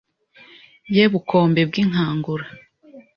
Ye Bukombe bw'inkangura